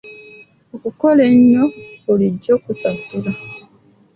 Okukola ennyo bulijjo kusasula.